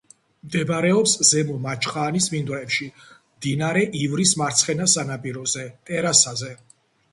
მდებარეობს ზემო მაჩხაანის მინდვრებში, მდინარე ივრის მარცხენა სანაპიროზე, ტერასაზე.